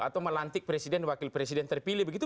atau melantik presiden wakil presiden terpilih begitu